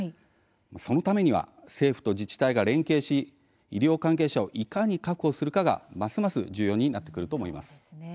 そのためには政府と自治体が連携し医療関係者をいかに確保するかが、ますます重要になってくると思います。